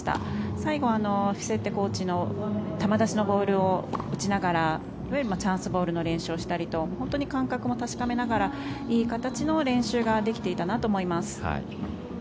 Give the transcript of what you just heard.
最後、フィセッテコーチの球出しのボールを打ちながらチャンスボールの練習をしたりと感覚も確かめながらいい形の練習ができていたなと思います。